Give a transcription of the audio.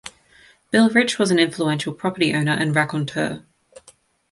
Bill Rich was an influential property owner and raconteur.